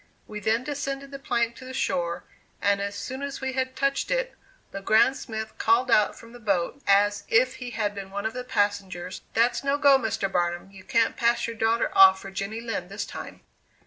We then descended the plank to the shore, and as soon as we had touched it, Le Grand Smith called out from the boat, as if he had been one of the passengers, "That's no go, Mr. Barnum; you can't pass your daughter off for Jenny Lind this time."